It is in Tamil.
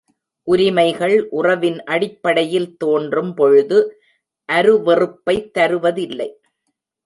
உரிமைகள் உறவின் அடிப்படையில் தோன்றும் பொழுது அருவெறுப்பைத் தருவதில்லை.